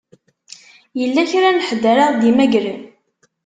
Yella kra n ḥedd ara ɣ-d-imagren?